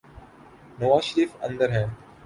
نوازشریف اندر ہیں۔